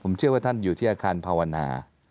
ผมเชื่อว่าท่านอยู่ที่อาคารภาวนา